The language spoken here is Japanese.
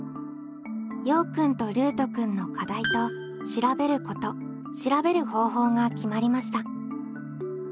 ようくんとルートくんの「課題」と「調べること」「調べる方法」が決まりました。